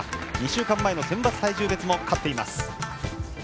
２週間前の選抜体重別も勝っています。